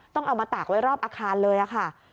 ต้องเอามาตากไว้รอบอาคารเลยค่ะ